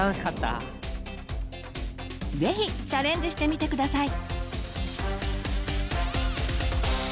是非チャレンジしてみて下さい。